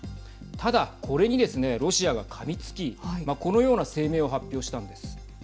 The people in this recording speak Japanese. ただこれにですねロシアがかみつきこのような声明を発表したんです。